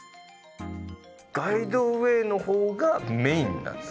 ガイドウェイの方がメインなんだ。